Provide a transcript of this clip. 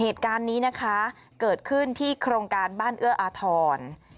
เหตุการณ์นี้นะคะเกิดขึ้นที่โครงการบ้านเอื้ออาทร